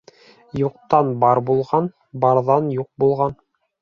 Юҡтан бар булған, барҙан юҡ булған.